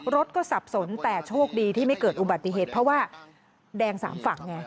รถก็สับสนแต่โชคดีที่ไม่เกิดอุบัติเหตุเพราะว่าแดงสามฝั่งไง